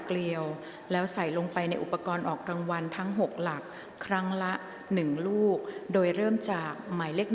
เกลียวแล้วใส่ลงไปในอุปกรณ์ออกรางวัลทั้ง๖หลักครั้งละ๑ลูกโดยเริ่มจากหมายเลข๑